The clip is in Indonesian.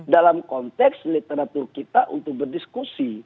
dalam konteks literatur kita untuk berdiskusi